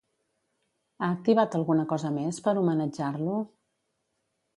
Ha activat alguna cosa més, per homenatjar-lo?